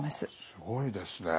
すごいですね。